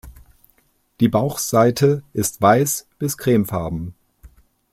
Die Bauchseite ist weiß bis cremefarben.